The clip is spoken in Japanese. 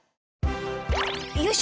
よいしょ。